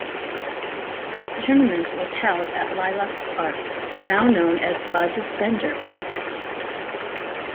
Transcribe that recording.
The Tournament was held at Lilac Park, now known as Bud Bender Park.